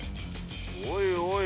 おいおい！